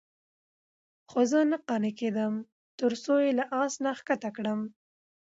خو زه نه قانع کېدم. ترڅو یې له آس نه ښکته کړم،